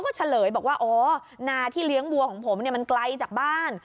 ก็เฉลยบอกว่าอ๋อนาที่เลี้ยงวัวของผมเนี่ยมันไกลจากบ้าน